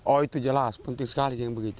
oh itu jelas penting sekali yang begitu